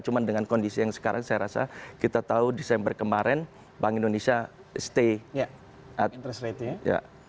cuma dengan kondisi yang sekarang saya rasa kita tahu desember kemarin bank indonesia stay at interest rate nya